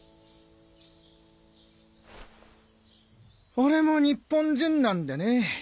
俺も日本人なんでね。